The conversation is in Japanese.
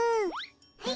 はい。